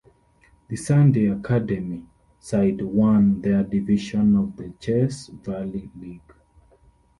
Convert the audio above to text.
The Sunday Academy side won their division of the Chess Valley League.